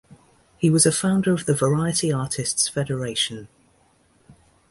He was a founder of the Variety Artists Federation.